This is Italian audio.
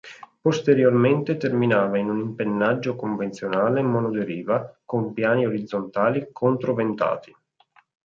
Posteriormente terminava in un impennaggio convenzionale monoderiva con piani orizzontali controventati.